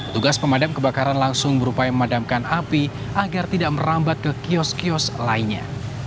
tugas pemadam kebakaran langsung berupaya memadamkan api agar tidak merambat ke kios kios lainnya